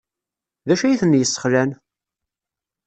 D acu ay ten-yesxelɛen?